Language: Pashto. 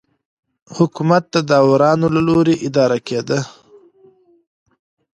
حکومت د داورانو له لوري اداره کېده.